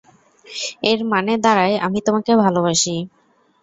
এর মানে দাঁড়ায়, আমি তোমাকে ভালোবাসি।